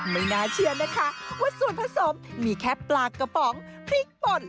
ไม่น่าเชื่อนะคะว่าส่วนผสมมีแค่ปลากระป๋องพริกป่น